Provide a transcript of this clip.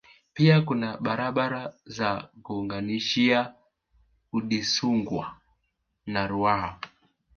Pia kuna barabara za kuunganishia Udizungwa na Ruaha